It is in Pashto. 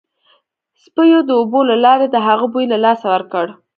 سپیو د اوبو له لارې د هغه بوی له لاسه ورکړ